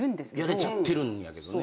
やれちゃってるんやけどね。